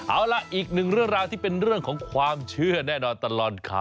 เอาล่ะอีกหนึ่งเรื่องราวที่เป็นเรื่องของความเชื่อแน่นอนตลอดข่าว